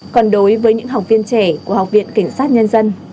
còn đối với những học viên trẻ của học viện cảnh sát nhân dân